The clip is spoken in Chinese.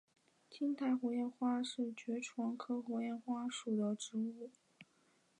金塔火焰花是爵床科火焰花属的植物。